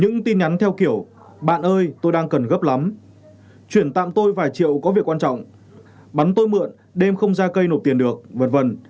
những tin nhắn theo kiểu bạn ơi tôi đang cần gấp lắm chuyển tạm tôi vài triệu có việc quan trọng bắn tôi mượn đêm không ra cây nộp tiền được v v